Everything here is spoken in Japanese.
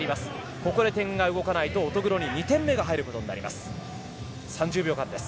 ここで点が動かないと乙黒に２点目が入ることになります。